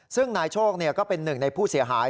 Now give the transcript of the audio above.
ซึ่งนายโชคก็เป็นหนึ่งในผู้เสียหาย